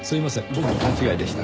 僕の勘違いでした。